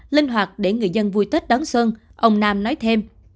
linh hoạt để người dân vui tết đón xuân ông nam nói thêm